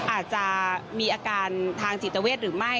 อาจจะมีอาการทางจิตเวทหรือไม่